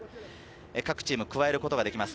各チーム加えることができます。